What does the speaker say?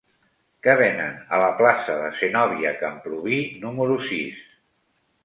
Què venen a la plaça de Zenòbia Camprubí número sis?